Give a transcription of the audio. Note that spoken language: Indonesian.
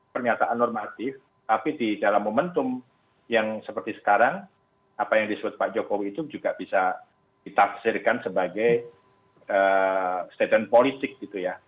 pernyataan normatif tapi di dalam momentum yang seperti sekarang apa yang disebut pak jokowi itu juga bisa ditafsirkan sebagai statement politik gitu ya